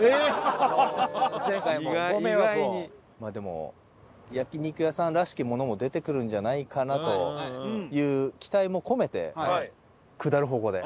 まあでも焼肉屋さんらしきものも出てくるんじゃないかなという期待も込めて下る方向で。